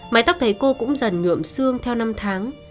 mái tóc thầy cô cũng dần nượm xương theo năm tháng